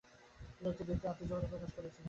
তিনি একটি দ্বিতীয় আত্মজীবনী প্রকাশ করেছিলেন।